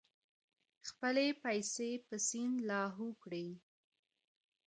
خپلې پیسې په سیند لاهو کړې.